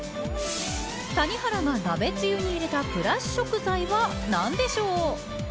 谷原が鍋つゆに入れたプラス食材は何でしょう。